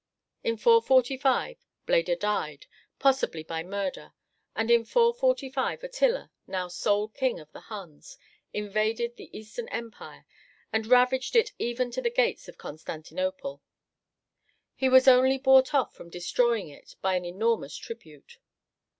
In 445 Bleda died, possibly by murder; and in 445 Attila, now sole king of the Huns, invaded the Eastern Empire, and ravaged it even to the gates of Constantinople. He was only bought off from destroying it by an enormous tribute.